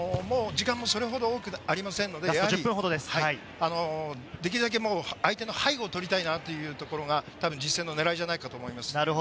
時間もそれほど多くないので、できるだけ相手の背後を取りたいなっていうところが、たぶん実践の狙いじゃないかなと思います。